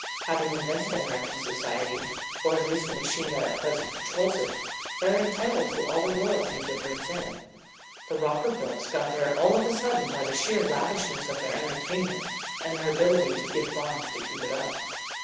Having invented American society, or at least the machine that at present controls it, they are entitled to all the royalties it brings in. The Rockerbilts got there all of a sudden by the sheer lavishness of their entertainment and their ability to give bonds to keep it up.